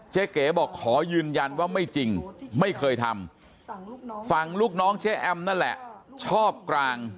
เก๋บอกขอยืนยันว่าไม่จริงไม่เคยทำฝั่งลูกน้องเจ๊แอมนั่นแหละชอบกลาง